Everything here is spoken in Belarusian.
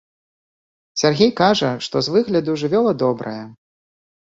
Сяргей кажа, што з выгляду жывёла добрая.